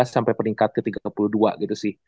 sampai peringkat ke tiga puluh dua gitu sih